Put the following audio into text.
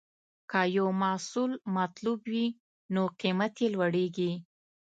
که یو محصول مطلوب وي، نو قیمت یې لوړېږي.